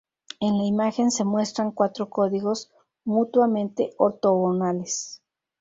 En la imagen se muestran cuatro códigos mutuamente ortogonales.